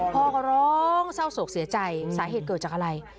พ่อก็ร้องเศร้าโศกเสียใจสาเหตุเกิดจากอะไร